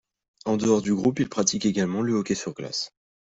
En dehors du groupe, il pratique également le hockey sur glace.